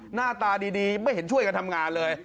หน้าตาดีไม่เห็นช่วยกันทำงานเลย